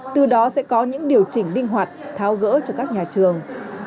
từ đó sẽ có những điều chỉnh linh hoạt tháo rỡ cho các nhà trường